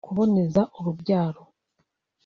kuboneza urubyaro